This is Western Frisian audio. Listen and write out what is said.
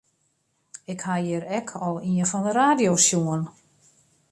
Ik ha hjir ek al ien fan de radio sjoen.